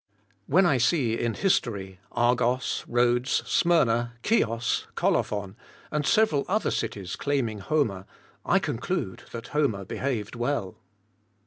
When I see in history Argos, Rhodes, Smyrna, Chios, Colophon, and several other cities claiming Homer, I conclude that Homer behaved well.